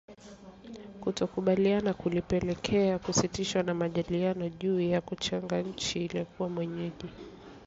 Kutokukubaliana kulipelekea kusitishwa kwa majadiliano juu ya kuchagua nchi itakayokuwa mwenyeji.